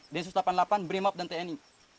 densus delapan puluh delapan brimop dan tni